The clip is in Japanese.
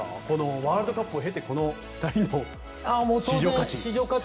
ワールドカップを経てこの２人の市場価値。